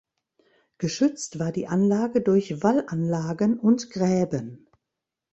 Geschützt war die Anlage durch Wallanlagen und Gräben.